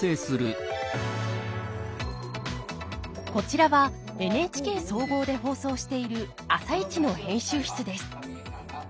こちらはＮＨＫ総合で放送している「あさイチ」の編集室です。